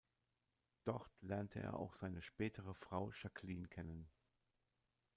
Dort lernte er auch seine spätere Frau Jaqueline kennen.